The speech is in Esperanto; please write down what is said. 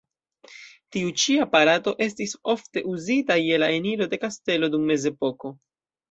Tiu ĉi aparato estis ofte uzita je la eniro de kastelo dum Mezepoko.